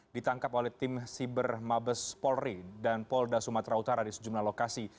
ditangkap oleh tim siber mabes polri dan polda sumatera utara di sejumlah lokasi